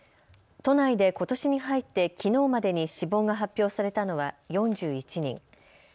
都内でことしに入ってきのうまでに死亡が発表されたのは４１人。